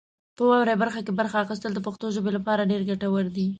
په واورئ برخه کې برخه اخیستل د پښتو ژبې لپاره ډېر ګټور دي.